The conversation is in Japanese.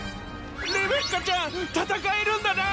レベッカちゃん戦えるんだな！